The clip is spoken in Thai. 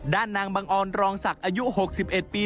นางบังออนรองศักดิ์อายุ๖๑ปี